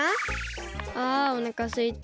あおなかすいた！